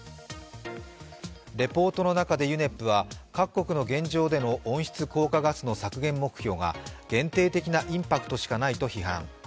レポートの中でＵＮＥＰは各国の現状での温室効果ガスの削減目標が限定的なインパクトでしかないと批判。